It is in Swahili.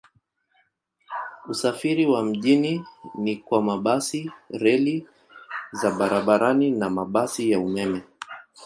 Usafiri wa mjini ni kwa mabasi, reli za barabarani na mabasi ya umeme.